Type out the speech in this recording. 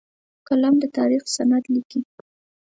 قلم د تاریخ سند لیکي